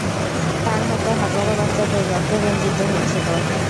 তার হাতে হাজারো বাচ্চাদের রক্তে রঞ্জিত হয়েছিল।